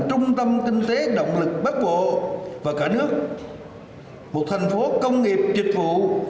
trung tâm kinh tế động lực bất bộ và cả nước một thành phố công nghiệp trực vụ